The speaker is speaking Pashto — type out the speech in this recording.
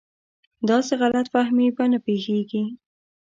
داسې غلط فهمي به نه پېښېږي.